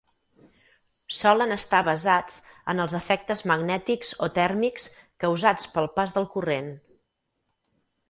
Solen estar basats en els efectes magnètics o tèrmics causats pel pas del corrent.